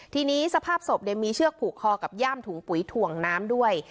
ทีนี้สภาพศพมีเชือกผูกคอกับย่ามถุงปุ๋ยถ่วงน้ำด้วย